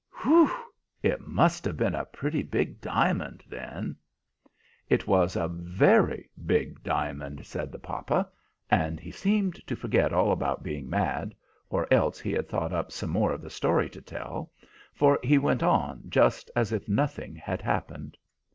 "Whew! It must have been a pretty big diamond, then!" "It was a very big diamond," said the papa; and he seemed to forget all about being mad, or else he had thought up some more of the story to tell, for he went on just as if nothing had happened.